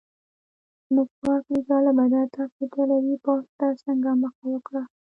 مس بارکلي: جالبه ده، تاسي ایټالوي پوځ ته څنګه مخه وکړه؟